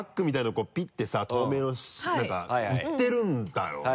こうピッてさ透明のなんか売ってるんだよね。